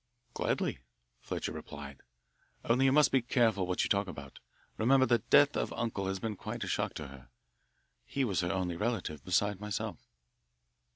"Gladly," Fletcher replied, "only you must be careful what you talk about. Remember, the death of uncle has been quite a shock to her he was her only relative besides myself."